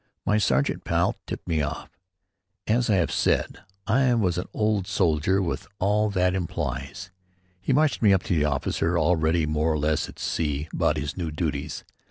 My sergeant pal tipped me off. As I have said, I was an old soldier with all that that implies. He marched me up to the officer, already more or less at sea about his new duties.